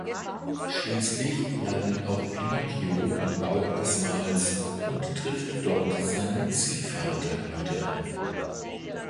Schließlich landet auch Pinocchio im Bauch des Wals und trifft dort seinen Ziehvater wieder.